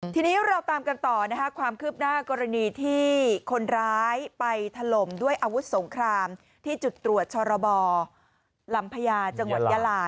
ทีนี้เราตามกันต่อนะคะความคืบหน้ากรณีที่คนร้ายไปถล่มด้วยอาวุธสงครามที่จุดตรวจชรบลำพญาจังหวัดยาลา